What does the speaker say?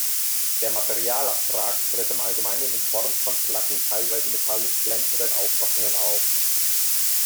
Der Materialabtrag tritt im Allgemeinen in Form von glatten, teilweise metallisch glänzenden Auswaschungen auf.